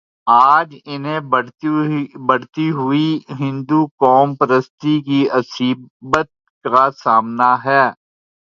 آج انہیں بڑھتی ہوئی ہندوقوم پرستی کی عصبیت کا سامنا ہے۔